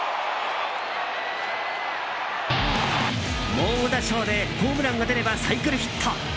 猛打賞でホームランが出ればサイクルヒット。